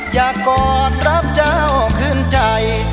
อยากกอดรับเจ้าคืนใจ